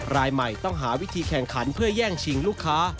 รายใหม่ต้องหาวิธีแข่งขันเพื่อแย่งชิงลูกค้า